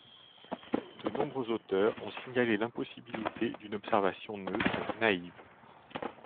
De nombreux auteurs ont signalé l’impossibilité d’une observation neutre, “naïve”.